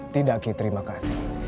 tidak ki terima kasih